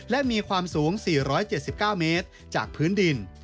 และมีความสูง๔๗๙เมตรจากพื้นดิน